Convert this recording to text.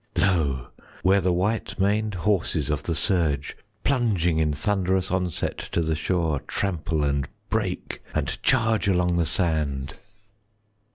Lo, where the white maned horses of the surge, 10 Plunging in thunderous onset to the shore, Trample and break and charge along the sand!